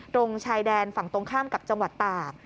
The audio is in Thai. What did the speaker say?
ตรงชายแดนฝั่งตรงข้ามกับจังหวัดตาก